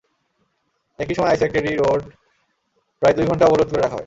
একই সময়ে ice factory road প্রায় দুই ঘণ্টা অবরোধ করে রাখা হয়।